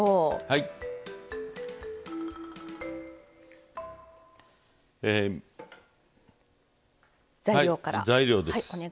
はい材料です。